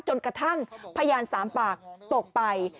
จนกระทั่งพยาน๓ปากตกไป